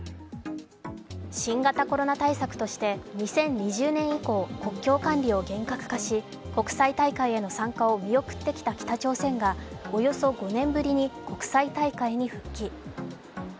新型コロナ対策として２０２０年以降、国境管理を厳格化し国際大会への参加を見送ってきた北朝鮮がおよそ５年ぶりに国際大会に復帰。